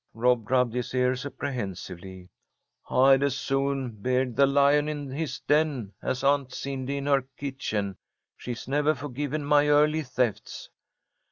Rob rubbed his ears apprehensively. "I'd as soon beard the lion in his den as Aunt Cindy in her kitchen. She's never forgiven my early thefts."